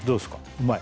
うまい？